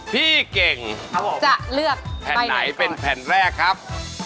พี่เก่งจะเลือกแผ่นหน่อยก่อนครับผมจะเลือกแผ่นไหนเป็นแผ่นแรกครับ